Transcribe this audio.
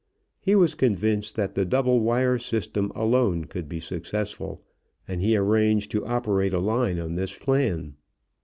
He was convinced that the double wire system alone could be successful, and he arranged to operate a line on this plan.